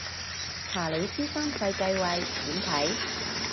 查理斯三世繼位點睇